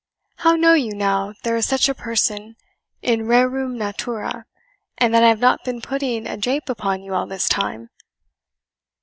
How know you now there is such a person IN RERUM NATURA, and that I have not been putting a jape upon you all this time?"